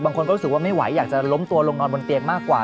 บางคนก็รู้สึกว่าไม่ไหวอยากจะล้มตัวลงนอนบนเตียงมากกว่า